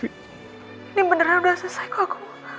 ini beneran udah selesai pak